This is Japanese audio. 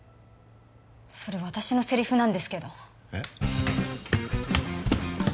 それ私のセリフなんですけどえっ？